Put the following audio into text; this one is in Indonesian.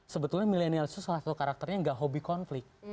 sebetulnya milenial itu salah satu karakternya gak hobi konflik